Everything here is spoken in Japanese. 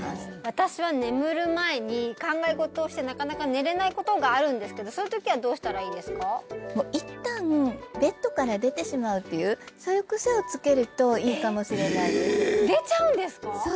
私は眠る前に考えごとをしてなかなか寝れないことがあるんですけどそういう時はどうしたらいいですか？というそういうクセをつけるといいかもしれないです出ちゃうんですか？